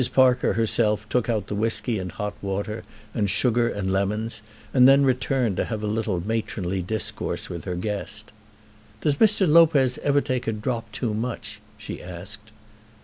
Parker herself took out the whisky and hot water, and sugar and lemons, and then returned to have a little matronly discourse with her guest. "Does Mr. Lopez ever take a drop too much?" she asked.